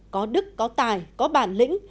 có đức có tài có bản lĩnh